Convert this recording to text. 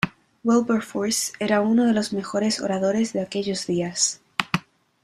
Wilberforce era uno de los mejores oradores de aquellos días.